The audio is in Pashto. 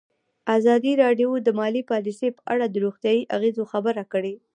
ازادي راډیو د مالي پالیسي په اړه د روغتیایي اغېزو خبره کړې.